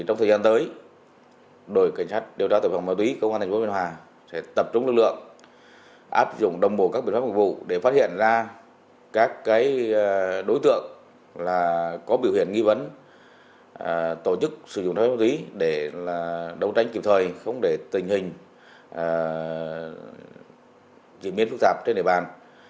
trong thời gian tới đội cảnh sát điều tra tập phòng ma túy của công an thành phố bình hòa sẽ tập trung lực lượng áp dụng đồng bộ các biểu pháp mục vụ để phát hiện ra các đối tượng có biểu hiện nghi vấn tổ chức sử dụng trái phép ma túy để đấu tranh kịp thời không để tình hình diễn biến phức tạp trên nề bàn